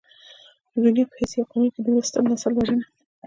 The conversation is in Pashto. د دنيا په هېڅ يو قانون کې دومره ستر نسل وژنه.